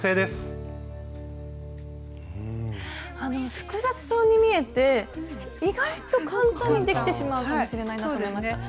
複雑そうに見えて意外と簡単にできてしまうかもしれないなと思いました。